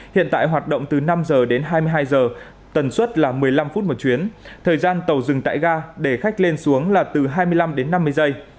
hiện tại hoạt động từ năm giờ đến hai mươi hai giờ tần suất là một mươi năm phút một chuyến thời gian tàu dừng tại ga để khách lên xuống là từ hai mươi năm đến năm mươi giây